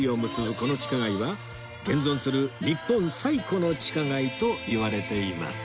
この地下街は現存する日本最古の地下街と言われています